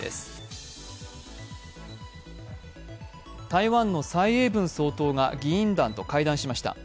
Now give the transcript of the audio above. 台湾の蔡英文総統が議員団と会談しました。